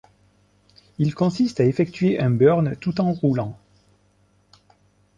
Il consiste à effectuer un burn tout en roulant.